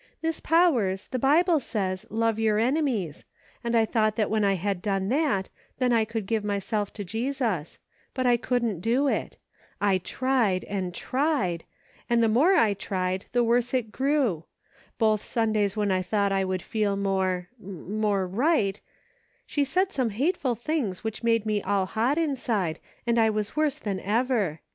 Miss Powers, the Bible says, * Love your enemies,' and I thought when I had done that, then I could give myself to Jesus ; but I couldn't do it. I tried and tried, and the more I tried, the worse it grew. Both Sundays when I thought I would feel more — more right, she said some hateful things which made me all hot inside, and I was worse than ever.